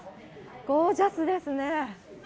ゴージャスですね。